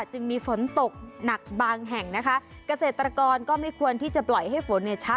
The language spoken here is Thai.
จึงมีฝนตกหนักบางแห่งนะคะเกษตรกรก็ไม่ควรที่จะปล่อยให้ฝนเนี่ยช้า